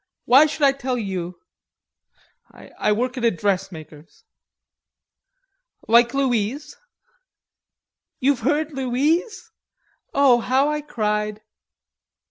"Why should I tell you? I work at a dressmaker's." "Like Louise?" "You've heard Louise? Oh, how I cried."